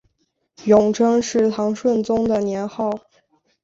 永贞是唐顺宗的年号。